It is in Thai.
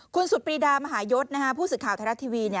คุณสุดปรีดามหายศผู้สื่อข่าวไทยรัฐทีวี